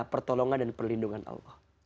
pertolongan dan perlindungan allah